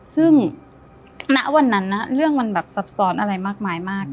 ซึ่งณวันนั้นนะเรื่องมันแบบสับสรรค์อะไรมากมาก